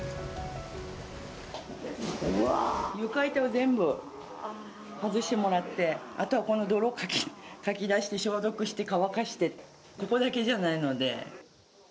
床板を全部外してもらって、あとはこの泥、かき出して消毒して乾かして、ここだけじゃないので。